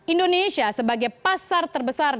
indonesia sebagai pasar terbesar